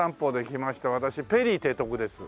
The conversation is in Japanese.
私ペリー提督です。